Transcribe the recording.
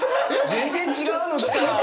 全然違うの来た。